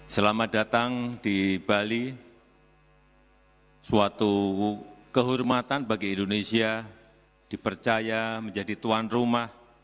selamat datang di bali suatu kehormatan bagi indonesia dipercaya menjadi tuan rumah